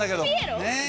ねえ。